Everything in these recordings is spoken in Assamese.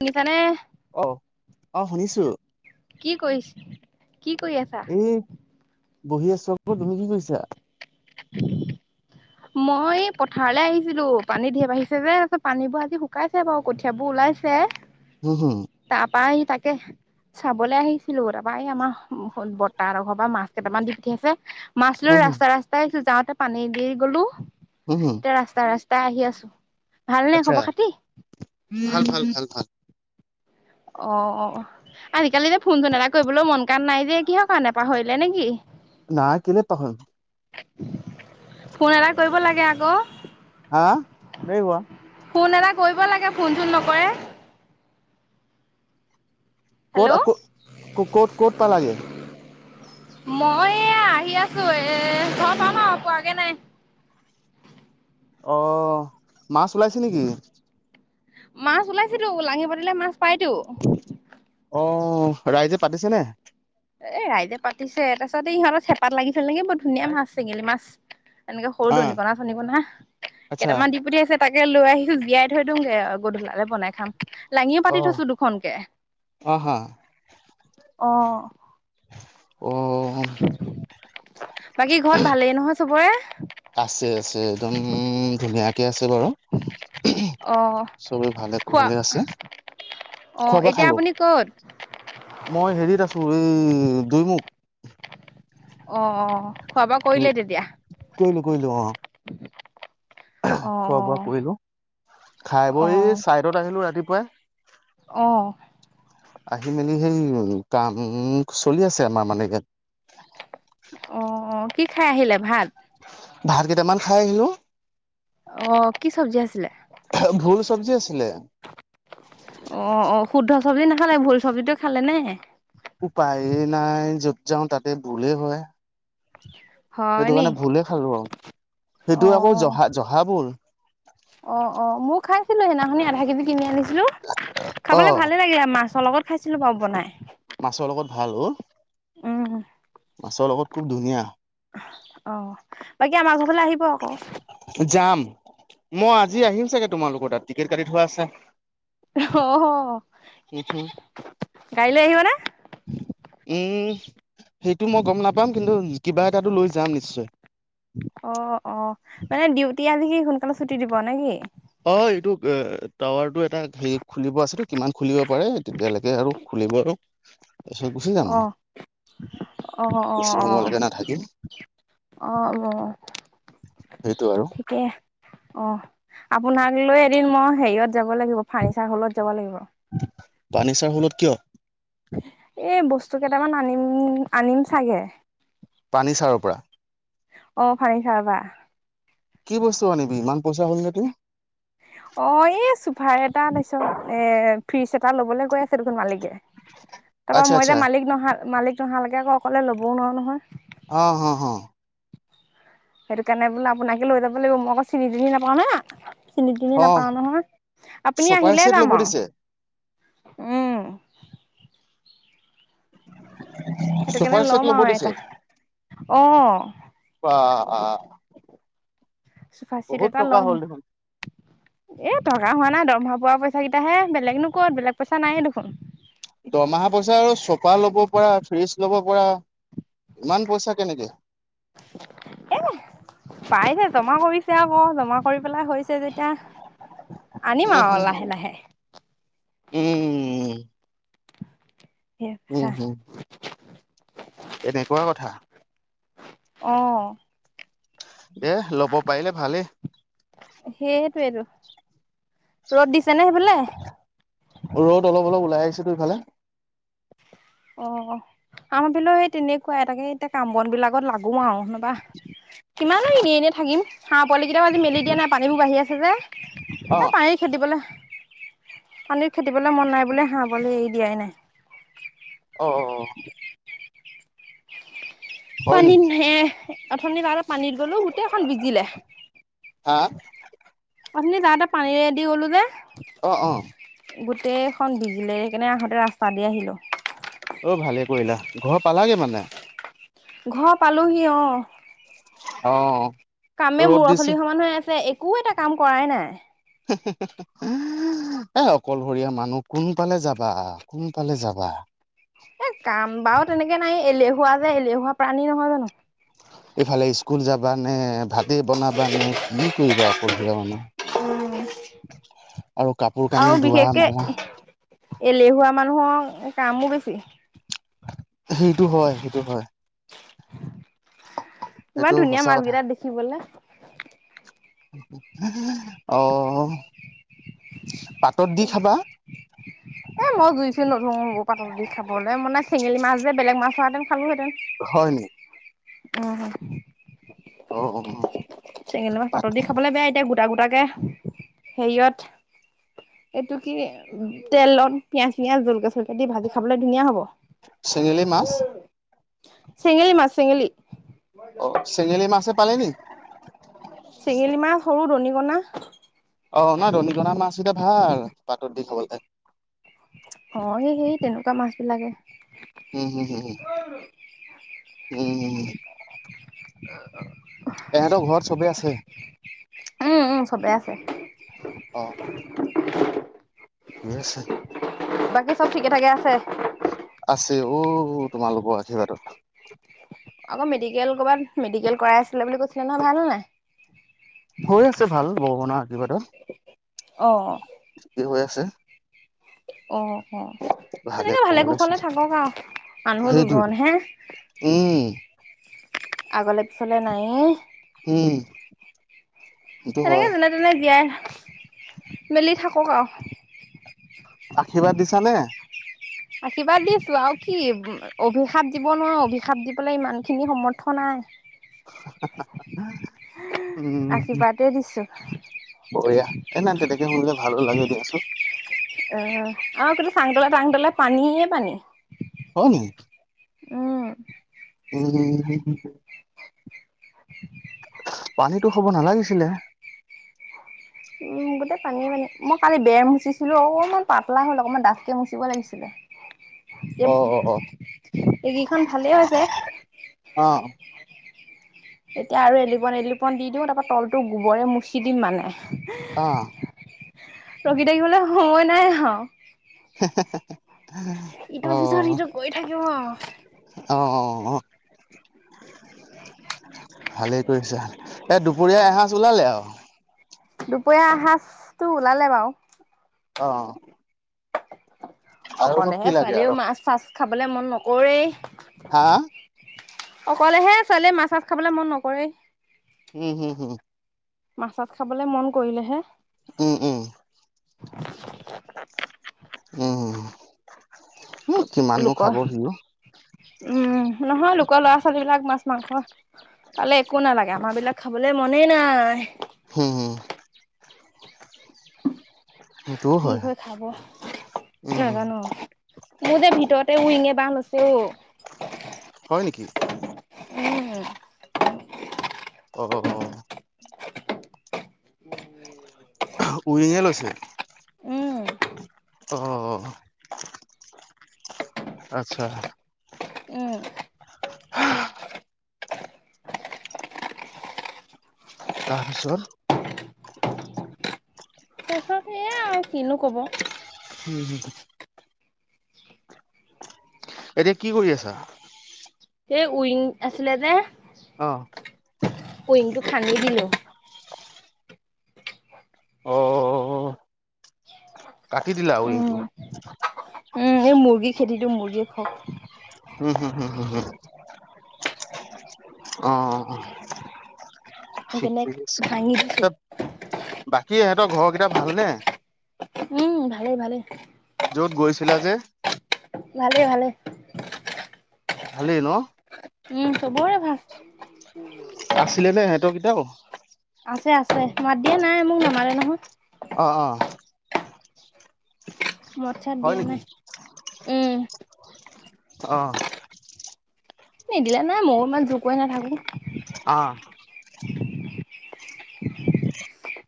শুনিছানে, অ অ শুনিছো কি কৰিছা, কি কৰি আছা? এই বহি আছো আকৌ, তুমি কি কৰিছা? [unintelligible] মই এই পথাৰলৈ আহিছিলো পানী ধেৰ বাঢ়িছে যে তাৰপিছত পানীবোৰ আজি শুকাইছে বাৰু কঠিয়াবোৰ ওলাইছে [unintelligible] হম, হম। তাৰপৰা আহি তাকে, চাবলে আহিছিলো তাৰ পৰা আমাৰ উম, বৰতা হেতৰ ঘৰৰ পৰা মাছ কেইটামান দি পঠিয়াছে মাছ লৈ হুম হুম ৰাস্তা ৰাস্তাই আহিছোঁ যাওঁতে পানী দি গ'লো। উম, হম। এতিয়া ৰাস্তা ৰাস্তা আহি আছো, ভাল নে আচ্ছা খবৰ খাতি। ভাল ভাল ভাল ভাল। অ' আজিকালি যে ফোন চোন এটা কৰিবলৈ মন কান নাই যে কিহৰ কাৰণে পাহৰিলে নেকি। নাই কেলে পাহৰিম। ফোন এটা কৰিব লাগে আকৌ। হা [unintelligible] ফোন এটা কৰিব লাগে ফোন চোন নকৰে। ক'ত হেল্ল' ক- ক'ত ক'ত পালাগে। মই এয়া আহি আছো এ ঘৰত পাম আৰু পোৱাগে নাই। অ' মাছ ওলাইছে নেকি। মাছ ওলাইছেটো [unintelligible] পাতিলে মাছ পায়তো। অ' ৰাইজে পাতিছেনে। এ ৰাইজে পাতিছে তাৰপিছত এই ইহঁতৰ চেপাত লাগিছিল নেকি বৰত ধুনীয়া মাছ চেঙেলি মাছ। এনেকে সৰু অ দুনিকনা চনিকনা, আচ্ছা কেইটামান দি পঠিয়াইছে। তাকে লৈ আহিছো জীয়াই থৈ দিওঁগে গধূলালে বনাই খাম। লাঙিও অ পাতি থৈছো দুখনকে, অ হা অ'। অ'। বাকী ঘৰত ভালেই নহয় চবৰে। আছে আছে একদম ধুনীয়াকে আছে বাৰু। অ' চবেই ভালে খোৱা কুশলেই আছে। খোৱা অ' বোৱা এতিয়া খালো আপুনি ক'ত। মই হেৰিত আছো এই দুইমুখ। অ' খোৱা বোৱা কৰিলে তেতিয়া। কৰিলোঁ কৰিলোঁ অ'। খোৱা বোৱা অ', কৰিলোঁ, খাই অ', বৈ অ'। চাইডত আহিলো ৰাতিপুৱাই। অ'। আহি মেলি সেই কাম চলি আছে আমাৰ মানে ইয়াত অ কি খাই আহিলে ভাত। ভাত কেইটামান খাই আহিলোঁ। অ কি চব্জি আছিলে? ভোল চব্জি আছিলে। অ অ শুদ্ধ চব্জি নাখালে, ভোল চব্জিটো খালে নে। উপায় নাই য'ত যাওঁ তাতে ভুলে হয়। হয় সেইটো নি? কাৰণে ভোলে খালোঁ আৰু, সেইটো আকৌ অ' জহা জহা ভোল। অ অ মইয়ো খাইছিলোঁ সেইদিনাখনি আধা কেজি কিনি আনিছিলোঁ, অ খাবলে ভালে লাগিলে মাছৰ লগত। খাইছিলোঁ বাৰু বনাই। মাছৰ লগত ভাল অ'। উম। মাছৰ লগত খুব ধুনীয়া। অ' বাকী আমাৰ ঘৰ ফালে আহিব আকৌ। যাম, মই আজি আহিম চাগে তোমালোকৰ তাত টিকেট কাটি থোৱা আছে। অ', অ'। উহো। গাড়ী লৈ আহিবনে? উম সেইটো মই গম নাপাম কিন্তু কিবা এটাটো লৈ যাম নিশ্চয়। অ অ মানে ডিউটি আজি কি সোনকালে ছুটি দিব নে কি। অ এইটো টাৱাৰটো এটা হেৰি খুলিব আছেতো কিমান খুলিব পাৰে তেতিয়ালৈকে আৰু খুলিব আৰু। [inaudible] তাৰ পাছত গুচি জাম অ' আৰু। অ অ বেছি সময়লৈকে নাথাকিম অ অ উম। সেইটো আৰু। অ আপোনাক লৈ এদিন মই হেৰিয়ত যাব লাগিব ফাৰ্ণিচাৰ হলত যাব লাগিব। ফাৰ্ণিচাৰ হলত কিয়? এই বস্তু কেইটামান আনিম আনিম চাগে। পাৰ্ণিচাৰৰ পৰা। অ ফাৰ্ণিচাৰৰ পৰা। কি বস্তু আনিবি ইমান পইচা হ'ল নে তোৰ। অ এই চোফাৰ এটা তাৰপিছত এ ফ্ৰিজ এটা ল'বলৈ কৈ আছে দেখোন মালিকে। তাৰপৰা আচ্ছা মই আচ্ছা এতিয়া মালিক নহা মালিক নহালৈকে আকৌ অকলে ল'বও নোৱাৰো নহয়। অ হ হ। সেইটো কাৰণে বোলে আপোনাকে লৈ যাব লাগিব মই আকৌ চিনি তিনি নাপাওঁ না। চিনি তিনি অ নাপাওঁ নহয় আপুনি চোফাৰ আহিলে চেট ল'ব যাম দিছে আৰু উম। সেইটো কাৰণে চোফাৰ চেট লম ল'ব আৰু দিছে এটা অ। বা চোফা চিট বহুত এটা টকা ল'ম হ'ল দেখোন। এ টকা হোৱা নাই দৰমহা পোৱা পইচা কেইটাহে বেলেগনো ক'ত বেলেগ পইচা নাই দেখোন। দৰমহা পইচা আৰু চোফা ল'ব পৰা ফ্ৰিজ ল'ব পৰা ইমান পইচা কেনেকে। এ পাইছে জমা কৰিছে আকৌ জমা কৰি পেলাই হৈছে। পাইছে যেতিয়া আনিম উম উম আৰু উম লাহে লাহে। উম। উম হুম। এনেকুৱা কথা! অঁ। দেহ ল'ব পাৰিলে ভালেই। সেইটোয়েইটো, ৰ'দ দিছে নে সেইফালে? ৰ'দ অলপ অলপ ওলাই আহিছেতো এইফালে। অ আমাৰফালে সেই তেনেকুৱাই তাকে এতিয়া কাম বন বিলাকত লাগো আও নহ'বা কিমানো এনেই এনেই থাকিম হাঁহ পোৱালী কেইটাও আজি মেলি দিয়া নাই পানীবোৰ বাঢ়ি আছে যে, অ এই পানীত খেদিবলে পানীত খেদিবলে মন নাই বুলে হাঁহ পোৱালী এৰি দিয়াই নাই। অ অ। হয় পানীত নেকি এ উঠনি তাতে পানীত গ'লো গোটেই এখন ভিজিলে। হা? আথনি যাওঁতে পানীৰেদি গ'লোঁ যে অ, অ। গোটেইখন ভিজিলে, সেইকাৰণে আহোঁতে ৰাস্তা দি আহিলো। অ ভালে কৰিলা, ঘৰ পালাগে মানে? ঘৰ পালোহি অ। অঁ। কামে মুৰৰ চুলি সমান হৈ আছে একো এটা কাম কৰাই নাই। হুঁ হুঁ হু্ঁ এওঁ। এ অকলশৰীয়া মানুহ কোন ফালে যাবা কোন ফালে যাবা এ কাম বাৰু তেনেকে নাই এলেহুৱা যে এলেহুৱা প্ৰাণী নহয় জানো। এইফালে স্কুল যাবা নে, ভাতে বনাবা নে, কি কৰিবা অকলশৰীয়া মানুহ? [unintelligible] আৰু কাপোৰ- কানি আৰু ধোৱা বিশেষকে মেলা এলেহুৱা মানুহৰ কামো বেছি। সেইটো হয়, সেইটো হয়। ইমান সেইটো ধুনীয়া সঁচা মাছ কথা কেইটা দেখিবলে। অ। পাতত দি খাবা [unintelligible] এ মই জুই-চুই নধৰো পাতত দি খাবলে, মানে চেঙেলী মাছ যে বেলেগ মাছ হোৱাহেতেন খালোহেতেন। হয় নি? উম হু। অ অ অ। চেঙেলীমাছ পাতত দি খাবলৈ বেয়া। এতিয়া গোটা গোটাকে হেৰিয়ত - এইটো কি তেলত পিয়াজ-চিয়াজ জলকীয়া-চলকিয়া দি ভাজি খাবলে ধুনীয়া হ'ব। চেঙেলী মাছ? চেঙেলি মাছ চেঙেলি অ চেঙেলী মাছহে পালি নি? চেঙেলী মাছ সৰু দনিকনা - অ নহয় দনিকনা মাছ কেইটা ভাল পাতত দি খাবলে। অ সেই সেই তেনেকুৱা মাছ বিলাকে। হু, হু হু, হু। [unintelligible] উম উম উম। [unintelligible] এহেঁতৰ ঘৰত চবে আছে। উম' উম চবে আছে। অ' ঠিকে আছে। বাকী চব ঠিকে থাকে আছে আছে অ' তোমালোকৰ আশীৰ্বাদত। আকৌ মেডিকেল ক'ৰবাত মেডিকেল কৰাই আছিলে বুলি কৈছিলে নহয় ভাল হ'লনে নাই? হৈ আছে ভাল ভগৱানৰ অ আশীৰ্বাদত ঠিকে হৈ আছে। অ' অ' অ' তেনেকে ভালে কুশলে থাকক আও মানুহ দুজন সেইটোৱেটো হে। উম। আগলে পিছলে নায়েই। উম। সেইটো তেনেকে হয় যেনে তেনে জীয়াই- মেলি থাকক আও আশীৰ্বাদ দিছা নে? আশীৰ্বাদ দিছো আও কি অভিশাপ দিব নোৱাৰো অভিশাপ দিবলৈ ইমানখিনি সমৰ্থ নাই। হা হা উম। আশীৰ্বাদে দিছো। বঢ়িয়া এ নাই তেনেকে শুনিলে ভালো লাগে দিয়াচোন। অ আৰু কিন্তু চাংতলে তাংতলে পানীয়ে পানী হয় নেকি উম উম উম উ উ পানীতো খাব নালাগিছিলে। উম গোটেই পানীয়ে পানী মই কালি বেৰ মুচিছিলো অকণমান পাতলা হ'ল অকণমান ডাঠকে মুচিব লাগিছিলে। [unintelligible] এ অ অ অ এইকেইখন ভালেই হৈছে অ [unintelligible] এতিয়া আৰু এলিপন এলিপন দি দিও তাৰ পৰা তলতো গোবৰে মুচি দিম মানে অ ৰখি থাকিবলৈ সময় নাই আহা হে হে ইটোৰ অ পিছত সিটো কৰি থাকিম আৰু। অ অ অ ভালেই কৰিছো এ দুপৰীয়া এসাজ ওলালে আও দুপৰীয়া এসাজটো ওলালে বাও অ অ আৰুনো কলেহে কি লাগে আৰু ছোৱালীয়েও মাছ চাছ খাবলে মন নকৰেই হা অকলেহে ছোৱালীয়ে মাছ মাছ খাবলে মন নকৰেই উম হুম হুম মাছত খাবলে মন কৰিলেহে উম উম উম হুম লোকৰ উম নহয় লোকৰ ল'ৰা ছোৱালী বিলাক মাছ মাংস তালে একো নালাগে আমাৰ বিলাক খাবলৈ মনেই নাই হুম হুম সেইটোও কি হয় হৈ খাব উম নাজানো মোৰ যে ভিতৰতে উইঙে বাহ লৈছে অ হয় নেকি উম অ উৰিঙে লৈছে উম অ অ অ আচ্ছা উম তাৰপিছত [unintelligible] আৰু কিনো ক'ব হুম হুম এতিয়া কি কৰি আছা হে উইঙীংক আছিলে যে অঁ উইংটো ভাঙি দিলো অ কাটি দিলা আৰু এইটো যে মুৰ্গী খেতিটো মুৰ্গীয়ে খওক উম হুম হুম হুম হুম অ অ ঠিক সেইকাৰণে আছে ভাঙি ত দিছো বাকী ইহঁতৰ ঘৰকেইটা ভালনে উম ভালেই ভালেই য'ত গৈছিলা যে ভালে ভালে ভালেই ন উম চবৰে ভাল আছিলে নে সিহঁতৰ কেইটাও আছে আছে মাত দিয়া নাই মোক নামাতে নহয় অঁ অঁ মদ চাত হয় দিয়া নেকি নাই উম অ নিদিলে নাই ময়ো ইমান জোৰ কৰি নাথাকো অ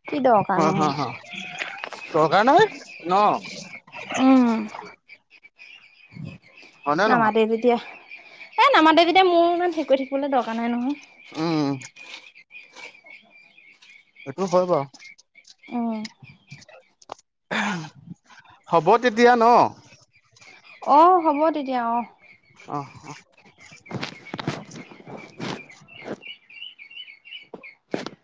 কি দৰকাৰ অ নো হ মোৰ হ দৰকাৰ নাই ন উম হয়নে নহয় নামাতে যেতিয়া এই নামাতে যেতিয়া মোৰো ইমান হেৰি কৰি থাকিবলৈ দৰকাৰ নাই নহয় উম হেইটো হয় বাও উম হ'ব তেতিয়া ন অ হ'ব তেতিয়া অ অহ অ [unintelligible]